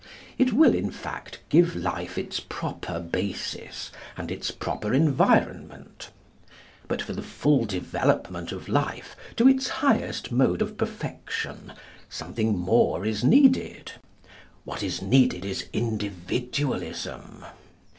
It will, in fact, give Life its proper basis and its proper environment. But for the full development of Life to its highest mode of perfection, something more is needed. What is needed is Individualism.